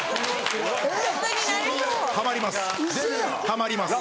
はまります。